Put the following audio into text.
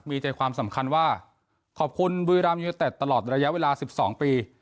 มีใจความสำคัญว่าขอบคุณบุรีรัมยูนิเต็ดตลอดระยะเวลา๑๒ปี